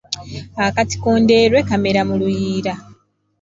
Akatiko Ndeerwe kamera mu luyiira.